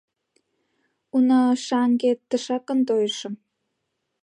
Уна, шаҥге тышакын тойышым...